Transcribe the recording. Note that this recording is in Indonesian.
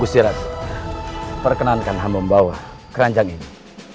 gusirat perkenankan hamba membawa keranjang ini